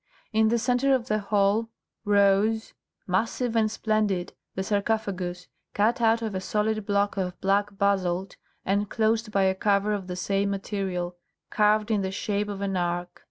In the centre of the hall rose, massive and splendid, the sarcophagus, cut out of a solid block of black basalt and closed by a cover of the same material, carved in the shape of an arch.